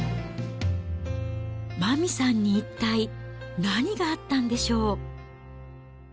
麻美さんに一体、何があったんでしょう。